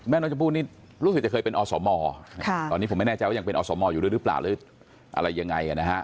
แม่น้องชมพู้นี้รู้สึกจะเป็นอสมตอนี้ไม่แล้วว่ายังเป็นอสมอยู่หรือเปล่าไหรือยังไง